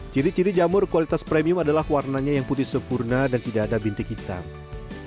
ciri ciri jamur kualitas premium adalah warnanya yang putih sempurna dan tidak ada bintik hitam